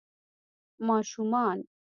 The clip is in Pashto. ماشومان